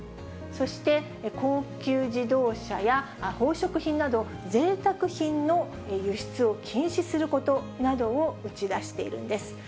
そして高級自動車や宝飾品など、ぜいたく品の輸出を禁止することなどを打ち出しているんです。